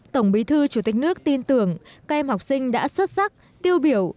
tổng bí thư chủ tịch nước tin tưởng các em học sinh đã xuất sắc tiêu biểu